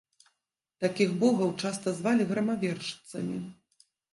Такіх богаў часта звалі грамавержцамі.